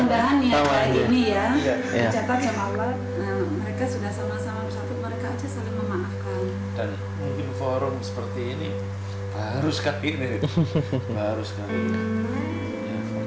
dan dan ya kayak gini ya catat sama allah mereka sudah sama sama bersatu mereka aja selalu memaafkan